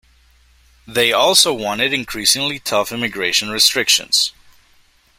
They also wanted increasingly tough immigration restrictions.